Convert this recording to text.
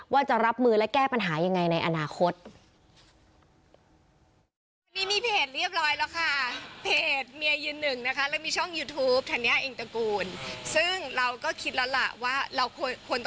ว่าจะรับมือและแก้ปัญหายังไงในอนาคต